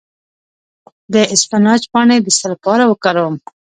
د اسفناج پاڼې د څه لپاره وکاروم؟